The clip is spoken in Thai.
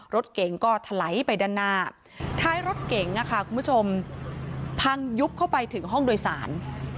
รถเก๋งก็ถลายไปด้านหน้าท้ายรถเก๋งคุณผู้ชมพังยุบเข้าไปถึงห้องโดยสาร